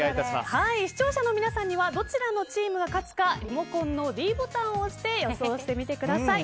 視聴者の皆さんにはどちらのチームが勝つかリモコンのｄボタンを押して予想してみてください。